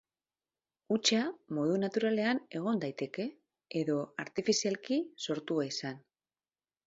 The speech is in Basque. Hutsa modu naturalean egon daiteke edo artifizialki sortua izan.